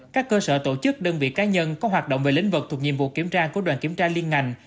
các cơ sở tổ chức đơn vị cá nhân có hoạt động về lĩnh vực thuộc nhiệm vụ kiểm tra của đoàn kiểm tra liên ngành